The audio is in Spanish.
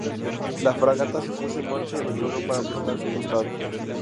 La fragata se puso en marcha y maniobró para presentar su costado.